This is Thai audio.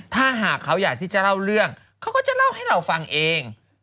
ถ้าหากเขาอยากที่จะเล่าเรื่องเขาก็จะเล่าให้เราฟังเอง